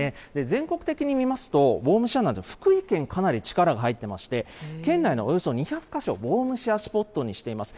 全国的に見ますと、ウォームシェア、福井県、かなり力入ってまして、県内のおよそ２００か所、ウォームシェアスポットにしています。